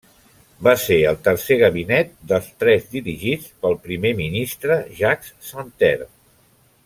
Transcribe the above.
Va ser el tercer gabinet dels tres dirigits pel primer ministre Jacques Santer.